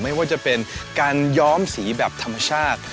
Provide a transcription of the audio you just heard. ไม่ว่าจะเป็นการย้อมสีแบบธรรมชาติ